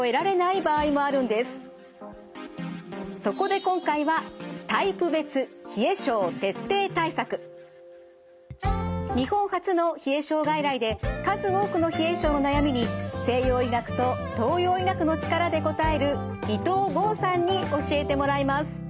そこで今回は日本初の冷え症外来で数多くの冷え症の悩みに西洋医学と東洋医学の力で答える伊藤剛さんに教えてもらいます。